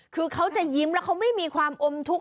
คือเขาจะยิ้มแล้วเขาไม่มีความอมทุกข์